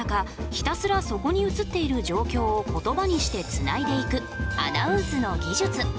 ひたすらそこに映っている状況を言葉にしてつないでいくアナウンスの技術。